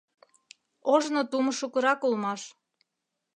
Ожно тумо шукырак улмаш.